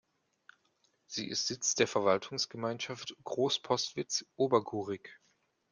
Sie ist Sitz der Verwaltungsgemeinschaft Großpostwitz-Obergurig.